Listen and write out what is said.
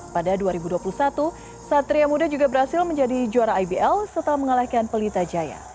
pada dua ribu dua puluh satu satria muda juga berhasil menjadi juara ibl setelah mengalahkan pelita jaya